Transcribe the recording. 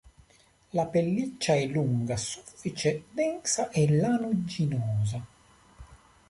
La pelliccia è lunga, soffice, densa e lanuginosa.